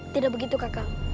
tidak begitu kakak